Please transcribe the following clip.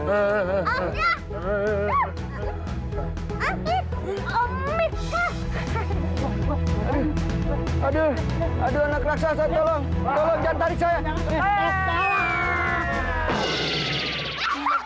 aduh aduh aduh anak raksasa tolong tolong jangan tarik saya